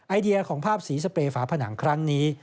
ไอเดียของภาพสีสเปรฝาผนังครั้งนี้